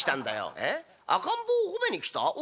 赤ん坊を褒めに来た？